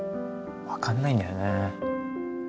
分かんないんだよね。